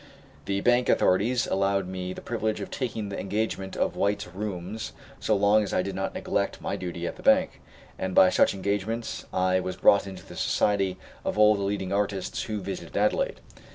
The bank authorities allowed me the privilege of taking the engagement of White's Rooms so long as I did not neglect my duty at the bank, and by such engagements I was brought into the society of all the leading artists who visited Adelaide.